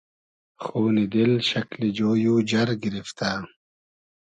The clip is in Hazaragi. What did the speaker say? خونی دیل شئکلی جۉی و جئر گیریفتۂ